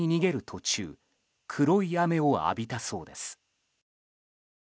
途中黒い雨を浴びたそうです。